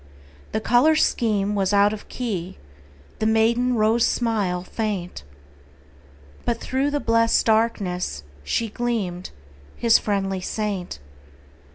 The color scheme was out of key, The maiden rose smile faint, But through the blessed darkness She gleamed, his friendly saint.